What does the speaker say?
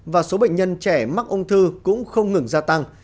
và số bệnh nhân trẻ mắc ung thư cũng không ngừng gia tăng